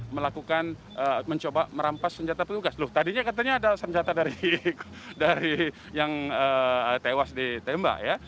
melakukan mencoba merampas senjata petugas loh tadinya katanya ada senjata dari yang tewas ditembak ya